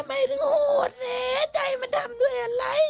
ติดใจให้แม่